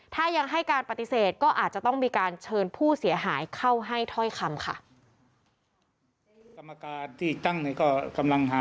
ถ้ายังให้การปฏิเสธก็อาจจะต้องมีการเชิญผู้เสียหายเข้าให้ถ้อยคำค่ะ